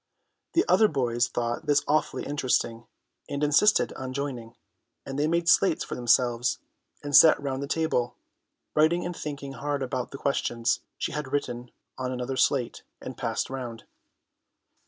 The other boys thought this awfully interesting, and insisted on joining, and they made slates for themselves, and sat round the table, writing and thinking hard about the questions she had written on another slate and passed round.